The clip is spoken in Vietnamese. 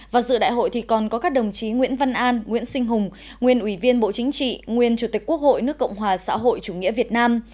và dự đại hội còn có các đồng chí nguyễn văn an nguyễn sinh hùng nguyên ủy viên bộ chính trị nguyên chủ tịch quốc hội nước cộng hòa xã hội chủ nghĩa việt nam